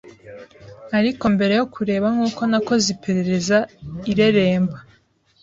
Ariko mbere yo kureba nkuko nakoze iperereza ireremba